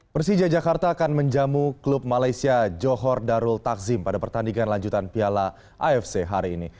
persija jakarta akan menjamu klub malaysia johor darul takzim pada pertandingan lanjutan piala afc hari ini